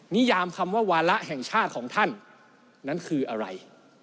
นิยามคำว่าวาระแห่งชาติของท่านนั้นคืออะไร